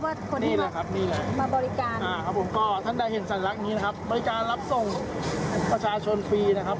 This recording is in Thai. บริการรับส่งประชาชนฟรีนะครับ